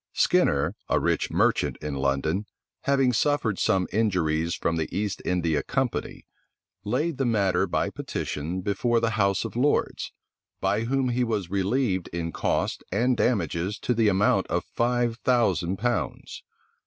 Skinner, a rich merchant in London, having suffered some injuries from the East India Company, laid the matter by petition before the house of lords, by whom he was relieved in costs and damages to the amount of five thousand pounds.